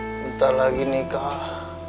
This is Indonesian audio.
sebentar lagi nikah